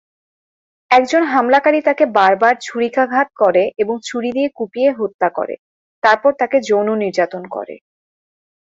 একজন হামলাকারী তাকে বারবার ছুরিকাঘাত করে এবং ছুরি দিয়ে কুপিয়ে হত্যা করে, তারপর তাকে যৌন নির্যাতন করে।